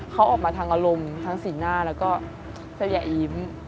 เขาออกมาทั้งอารมณ์ทั้งสีหน้าแล้วก็เซลล์แหย่อิ๊ม